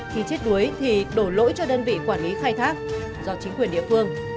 khi chết đuối thì đổ lỗi cho đơn vị quản lý khai thác do chính quyền địa phương